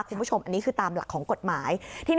คุณผู้ชมอันนี้คือตามหลักของกฎหมาย